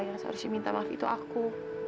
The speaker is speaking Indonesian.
yang seharusnya minta maaf itu aku